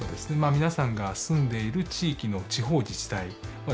皆さんが住んでいる地域の地方自治体はですね